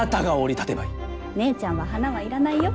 姉ちゃんは花は要らないよ。